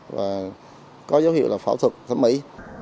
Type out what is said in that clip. và có dấu hiệu là phảo thuật thẩm mỹ